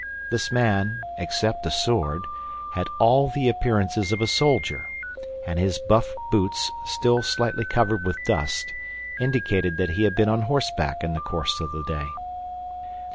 This man, except a sword, had all the appearance of a soldier; and his buff boots, still slightly covered with dust, indicated that he had been on horseback in the course of the day.